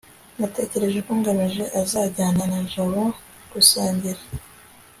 natekereje ko ngamije azajyana jabo gusangira